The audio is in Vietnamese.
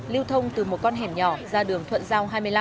lưu thông từ một con hẻm nhỏ ra đường thuận giao hai mươi năm